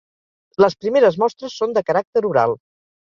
Les primeres mostres són de caràcter oral.